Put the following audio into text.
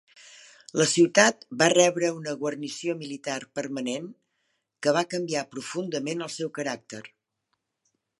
La ciutat va rebre una guarnició militar permanent, que va canviar profundament el seu caràcter.